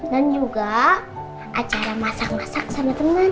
dan juga acara masak masak sama temen